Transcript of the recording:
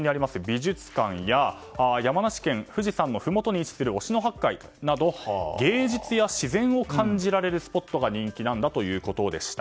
美術館や山梨県富士山のふもとに位置する忍野八海など芸術や自然を感じられるスポットが人気だということでした。